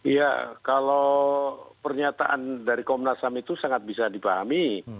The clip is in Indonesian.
ya kalau pernyataan dari komnas ham itu sangat bisa dipahami